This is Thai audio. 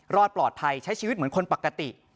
รอดปลอดภัยใช้ชีวิตเหมือนคนปกติ